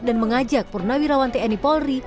dan mengajak purnawirawan tni polri